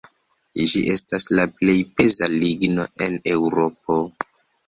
Ĝi estas la plej peza ligno en Eŭropo.